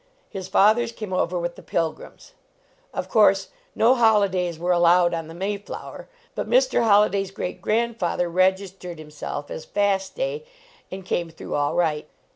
His fathers came over with the Pilgrims. Of course, no Hollidays were allowed on the Mayflower, but Mr. Holliday s great grandfather registered himself as Fast day, and came through all right.